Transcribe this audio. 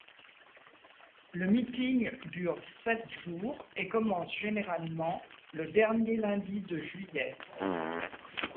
Le meeting dure sept jours et commence généralement le dernier lundi de juillet.